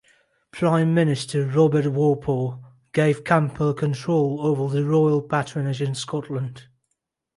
Prime Minister Robert Walpole gave Campbell control over the royal patronage in Scotland.